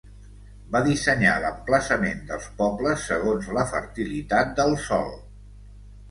Va dissenyar l'emplaçament dels pobles segons la fertilitat del sòl.